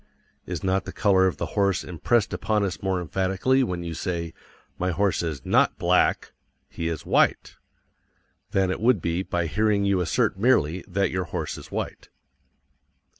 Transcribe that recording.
Is not the color of the horse impressed upon us more emphatically when you say, "My horse is NOT BLACK. He is WHITE" than it would be by hearing you assert merely that your horse is white?